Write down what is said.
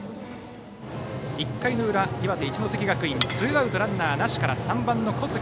１回の裏、岩手・一関学院ツーアウトランナーなしから３番の小杉。